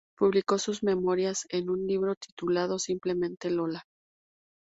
Publicó sus memorias en un libro titulado "Simplemente Lola".